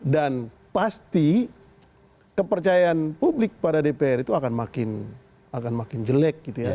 dan pasti kepercayaan publik pada dpr itu akan makin jelek